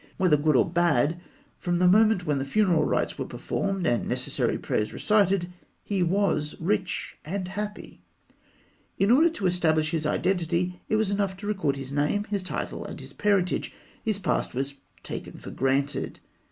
Whether good or bad, from the moment when the funeral rites were performed and the necessary prayers recited, he was rich and happy. In order to establish his identity, it was enough to record his name, his title, and his parentage; his past was taken for granted.